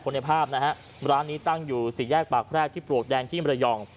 ในภาพนะฮะร้านนี้ตั้งอยู่สี่แยกปากแพรกที่ปลวกแดงที่มรยอง